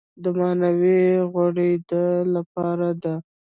دا معنوي غوړېدا لپاره ده.